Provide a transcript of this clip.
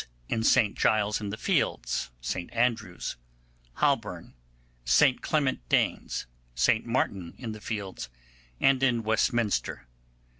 in St Giles in the Fields, St Andrew's, Holborn, St Clement Danes, St Martin in the Fields, and in Westminster.